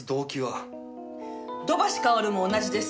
土橋かおるも同じです。